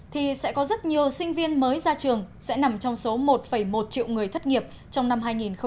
thì sẽ có rất nhiều sinh viên mới ra trường sẽ nằm trong số một một triệu người thất nghiệp trong năm hai nghìn hai mươi